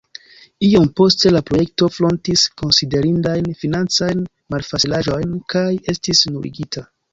Iom poste la projekto frontis konsiderindajn financajn malfacilaĵojn kaj estis nuligita.